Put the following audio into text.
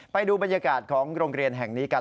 ไปดูบรรยากาศของโรงเรียนแห่งนี้กัน